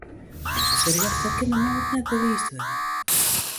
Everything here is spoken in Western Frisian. Neffens de rjochter kin de moard net bewiisd wurde.